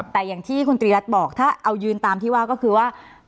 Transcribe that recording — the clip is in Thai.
แต่อย่างที่คุณตรีรัฐบอกถ้าเอายืนตามที่ว่าก็คือว่า